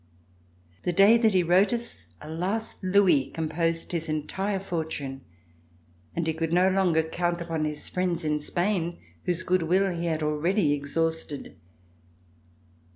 The day that he wrote us, a last louis composed his entire fortune, and he could no longer count upon his friends in Spain, whose good will he had already exhausted.